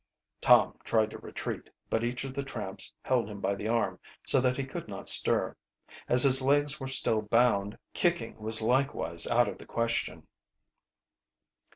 Tom tried to retreat, but each of the tramps held him by the arm, so that he could not stir. As his legs were still bound, kicking was likewise out of the question.